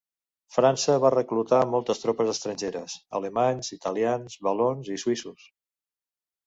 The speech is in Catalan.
França va reclutar moltes tropes estrangeres: alemanys, italians, valons i suïssos.